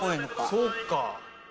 そうか。